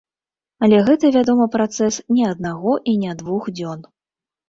Але гэта, вядома, працэс не аднаго і не двух дзён.